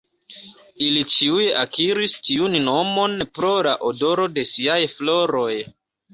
Ili ĉiuj akiris tiun nomon pro la odoro de siaj floroj.